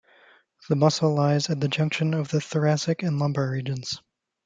The muscle lies at the junction of the thoracic and lumbar regions.